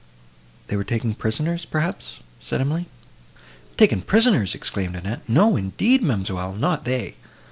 "They were taken prisoners, perhaps?" said Emily. "Taken prisoners!" exclaimed Annette; "no, indeed, ma'amselle, not they.